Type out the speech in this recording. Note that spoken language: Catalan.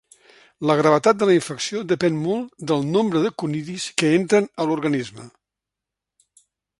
La gravetat de la infecció depèn molt del nombre de conidis que entren a l'organisme.